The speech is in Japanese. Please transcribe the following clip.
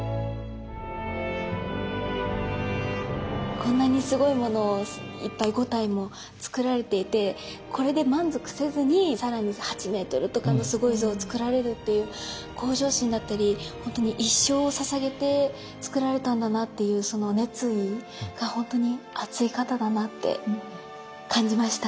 こんなにすごいものをいっぱい５体もつくられていてこれで満足せずに更に８メートルとかのすごい像をつくられるっていう向上心だったりほんとに一生をささげてつくられたんだなっていうその熱意がほんとに熱い方だなって感じました。